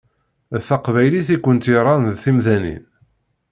D taqbaylit i kent-yerran d timdanin.